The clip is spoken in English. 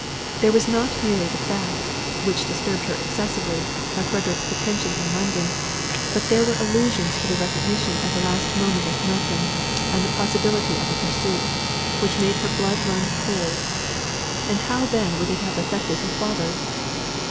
There was not merely the fact, which disturbed her excessively, of Frederick's detention in London, but there were allusions to the recognition at the last moment at Milton, and the possibility of a pursuit, which made her blood run cold; and how then would it have affected her father?